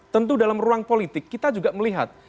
tentu dalam ruang politik kita juga melihat